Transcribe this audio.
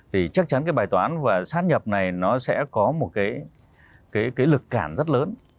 thì chắc chắn cái bài toán và sát nhập này nó sẽ có một cái lực cản rất lớn